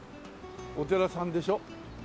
お寺さんでしょ？